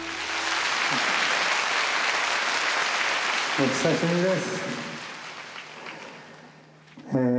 お久しぶりです。